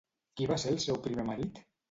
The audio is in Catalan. Qui va ser el seu primer marit?